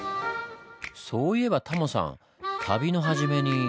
そういえばタモさん旅の初めに。